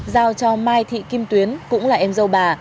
giao cho mai thị kim tuyến cũng là em dâu bà